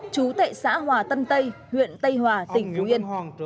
chú tệ xã hòa tân tây huyện tây hòa tỉnh phú yên